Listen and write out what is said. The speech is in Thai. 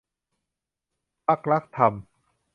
พรรครักษ์ธรรม